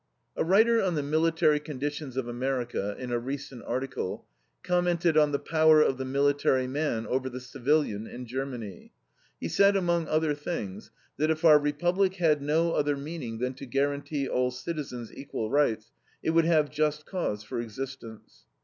A writer on the military conditions of America, in a recent article, commented on the power of the military man over the civilian in Germany. He said, among other things, that if our Republic had no other meaning than to guarantee all citizens equal rights, it would have just cause for existence.